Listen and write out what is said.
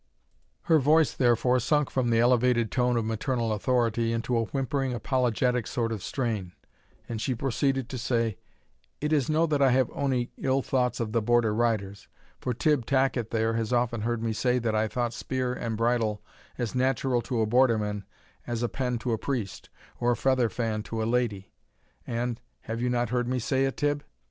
Her voice, therefore, sunk from the elevated tone of maternal authority into a whimpering apologetic sort of strain, and she proceeded to say, "It is no that I have ony ill thoughts of the Border riders, for Tibb Tacket there has often heard me say that I thought spear and bridle as natural to a Borderman as a pen to a priest, or a feather fan to a lady; and have you not heard me say it, Tibb?"